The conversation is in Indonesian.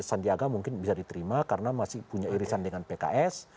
sandiaga mungkin bisa diterima karena masih punya irisan dengan pks